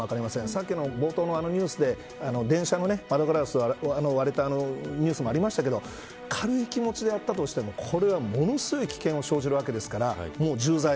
先ほどの冒頭のニュースで電車の窓ガラスが割れたりもありましたけれども軽い気持ちでやったとしてもこれはものすごい危険が生じるわけですからもう重罪。